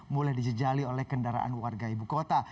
mulai dijejali oleh kendaraan warga ibu kota